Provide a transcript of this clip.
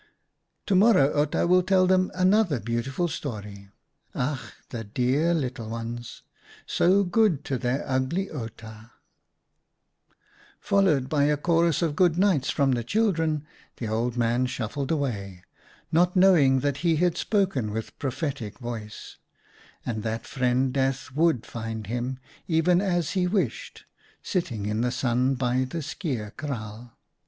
To morrow Outa will tell them another beautiful story. Ach, the dear little ones ! So good to their ugly Outa !" Followed by a chorus of "good nights" from the children; the old man shuffled away, not knowing that he had spoken with pro phetic voice, and that Friend Death would find him, even as he wished, sitting in the sun by the skeer kraal.